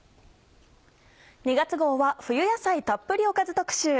２月号は冬野菜たっぷりおかず特集。